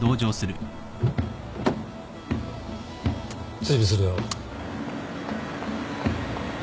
追尾するよ。